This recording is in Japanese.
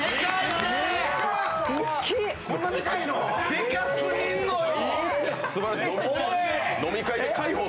でかすぎんのよ！